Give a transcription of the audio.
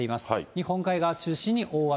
日本海側中心に大雨。